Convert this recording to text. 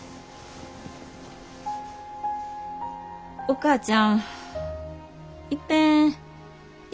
お母ちゃんいっぺん家帰るわ。